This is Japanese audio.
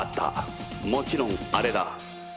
もちろんあれだ。